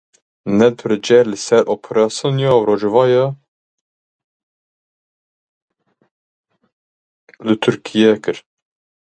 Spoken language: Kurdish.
Ned Price li ser operasyona Rojava bang li Tirkiyeyê kir.